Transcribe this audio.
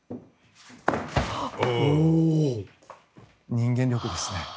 人間力ですね。